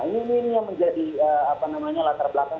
ini yang menjadi latar belakang